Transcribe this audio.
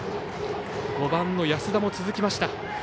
５番の安田も続きました。